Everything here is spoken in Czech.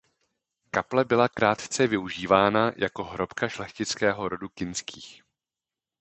Kaple byla krátce využívána jako hrobka šlechtického rodu Kinských.